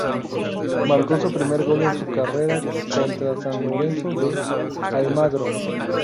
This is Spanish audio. Marcó su primer gol en su carrera contra San Lorenzo de Almagro.